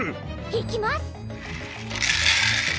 いきます！